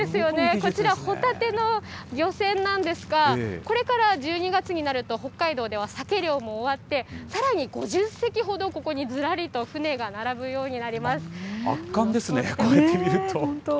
こちら、ホタテの漁船なんですが、これから１２月になると、北海道ではサケ漁も終わって、さらに５０隻ほど、ここにずらりと船が並ぶよう圧巻ですね、こうやって見る本当。